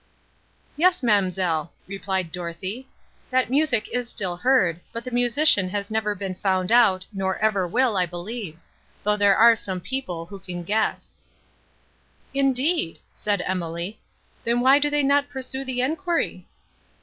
"Yes, ma'amselle," replied Dorothée, "that music is still heard, but the musician has never been found out, nor ever will, I believe; though there are some people, who can guess." "Indeed!" said Emily, "then why do they not pursue the enquiry?"